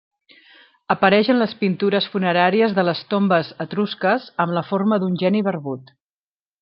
Apareix en les pintures funeràries de les tombes etrusques amb la forma d'un geni barbut.